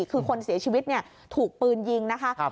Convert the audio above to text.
คือคนเสียชีวิตเนี่ยถูกปืนยิงนะคะครับ